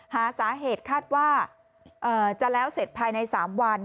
หาสาเหตุคาดว่าจะแล้วเสร็จภายใน๓วัน